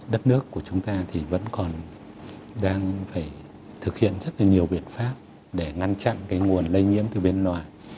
đất nước của chúng ta thì vẫn còn đang phải thực hiện rất là nhiều biện pháp để ngăn chặn cái nguồn lây nhiễm từ bên ngoài